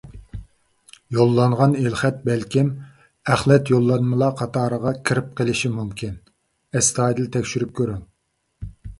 يوللانغان ئېلخەت بەلكىم ئەخلەت يوللانمىلار قاتارىغا كىرىپ قېلىشى مۇمكىن، ئەستايىدىل تەكشۈرۈپ كۆرۈڭ.